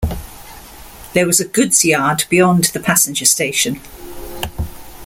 There was a goods yard beyond the passenger station.